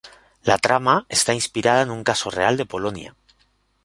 La trama está inspirada en un caso real de Polonia.